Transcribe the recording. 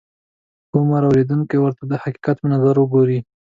کم عمره اورېدونکي ورته د حقیقت په نظر ګوري.